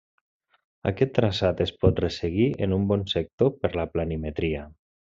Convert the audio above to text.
Aquest traçat es pot resseguir, en un bon sector, per la planimetria.